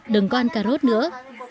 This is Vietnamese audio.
đừng có ăn cà rốt nữa